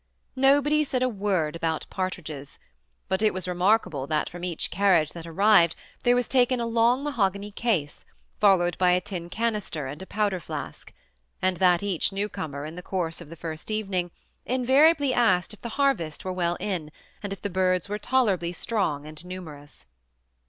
Nobody said a word about partridges ; but it was remarkable that from each carriage that arrived there was taken a long mahogany case, followed by a tin cannister and a powder fiask ; and that each new comer, in the course of the first evening, invariably asked if the harvest were well in, and if the birds were tolerably strong and numerous.